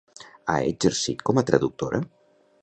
Ha exercit com a traductora?